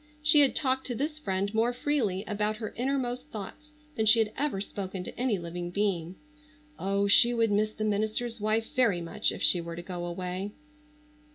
She had talked to this friend more freely about her innermost thoughts than she had ever spoken to any living being. Oh, she would miss the minister's wife very much if she were to go away.